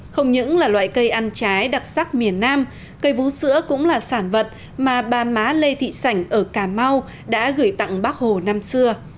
không những là loại cây ăn trái đặc sắc miền nam cây vú sữa cũng là sản vật mà bà má lê thị sảnh ở cà mau đã gửi tặng bác hồ năm xưa